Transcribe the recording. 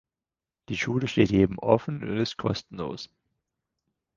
Die Schule steht jedem offen und ist kostenlos.